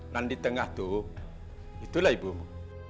dan di tengah itu itulah ibumu